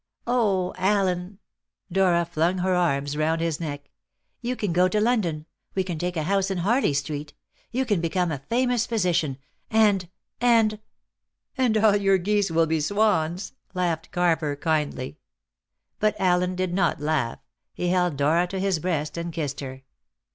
O Allen!" Dora flung her arms round his neck. "You can go to London we can take a house in Harley Street you can become a famous physician and and " "And all your geese will be swans!" laughed Carver kindly. But Allen did not laugh. He held Dora to his breast and kissed her.